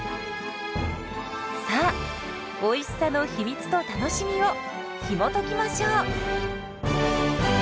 さあおいしさの秘密と楽しみをひもときましょう！